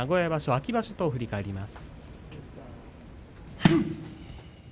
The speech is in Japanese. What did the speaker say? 秋場所と振り返ります。